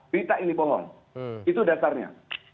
berita ini pohon itu dasarnya